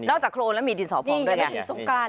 นอกจากโครงแล้วมีดินสภองด้วย